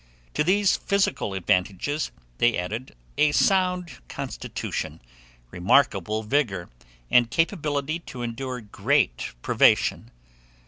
To these physical advantages, they added a sound constitution, remarkable vigour, and capability to endure great privation.